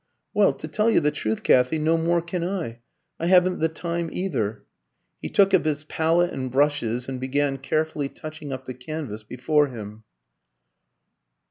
"Well, to tell you the truth, Kathy, no more can I. I haven't the time either." He took up his palette and brushes and began carefully touching up the canvas before him.